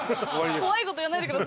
怖い事言わないでください。